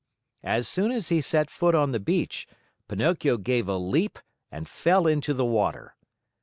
As soon as he set foot on the beach, Pinocchio gave a leap and fell into the water.